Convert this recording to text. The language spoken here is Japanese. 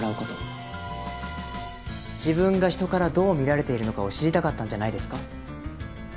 自分が人からどう見られているのかを知りたかったんじゃないですか？